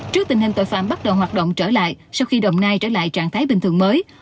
trước tình hình tội phạm bắt đầu hoạt động trở lại sau khi đồng nai trở lại trạng thái bình thường mới